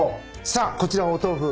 さあこちらお豆腐。